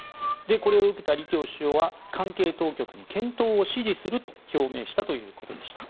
これを受けた李強首相は関係当局に検討を指示すると表明したということでした。